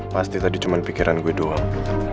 pasti tadi cuma pikiran gue doang